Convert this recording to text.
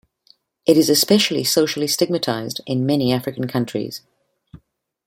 It is especially socially stigmatised in many African societies.